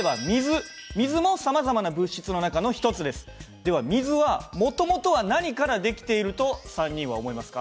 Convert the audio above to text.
では水はもともとは何からできていると３人は思いますか？